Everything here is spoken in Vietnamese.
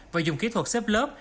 và dùng kỹ thuật xếp lớp